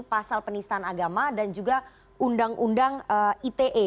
pasal penistaan agama dan juga undang undang ite